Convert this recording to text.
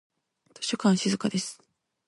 図書館は静かです。